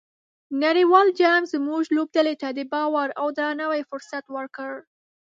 نړیوال جام زموږ لوبډلې ته د باور او درناوي فرصت ورکړ.